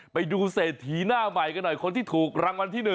ไปดูเศรษฐีหน้าใหม่กันหน่อยคนที่ถูกรางวัลที่๑